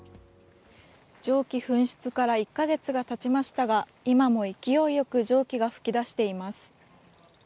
蒸気噴出から１か月がたちましたが今も勢いよく蒸気が噴き出しています。